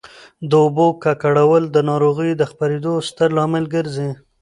د اوبو ککړول د ناروغیو د خپرېدو ستر لامل ګرځي.